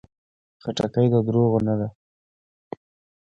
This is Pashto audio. خټکی د دروغو نه ده.